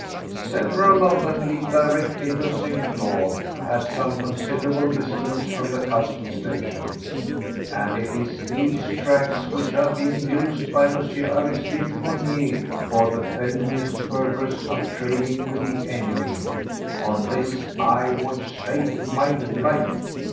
Several of them lead directly into St. Claude, at some considerable distance from the customs stations, and it is these tracks which are being used by M. Aristide Fournier for the felonious purpose of trading with the enemy—on this I would stake my life.